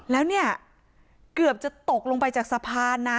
แล้วเกือบจะตกลงไปจากสะพาน